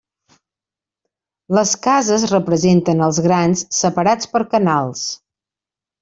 Les cases representen els grans, separats per canals.